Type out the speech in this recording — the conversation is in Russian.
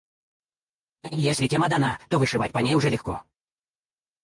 Если тема дана, то вышивать по ней уже легко.